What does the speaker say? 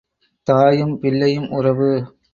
தாயும் பிள்ளையும் உறவு.